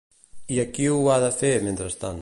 I a qui ho ha de fer mentrestant?